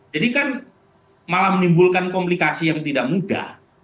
jadi kan malah menimbulkan komplikasi yang tidak mudah